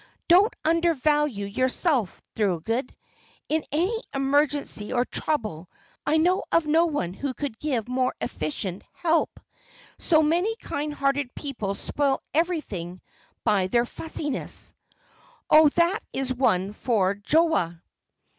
"Don't undervalue yourself, Thorold. In any emergency or trouble I know of no one who could give more efficient help. So many kind hearted people spoil everything by their fussiness." "Oh, that is one for Joa!"